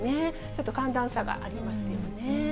ちょっと寒暖差がありますよね。